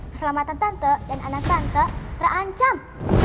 keselamatan tante dan anak tante terancam